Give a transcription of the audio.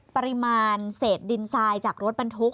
ปริมาณเศษดินทรายจากรถบรรทุก